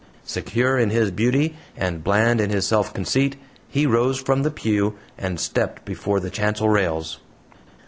Secure in his beauty and bland in his self conceit, he rose from the pew, and stepped before the chancel rails.